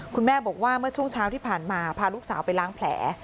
คุณแม่บอกว่าเมื่อช่วงเช้าที่ผ่านมาพาลูกสาวไปล้างแผล